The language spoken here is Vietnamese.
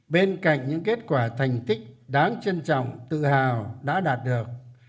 bên cạnh những kết quả thành tích đáng trân trọng tự hào đã đạt được